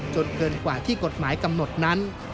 จนเกินกว่าที่กฎหมายกำหนดนั้น